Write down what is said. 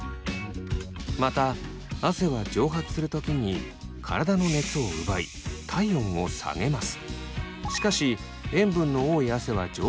また汗は蒸発する時に体の熱を奪い体温を下げます。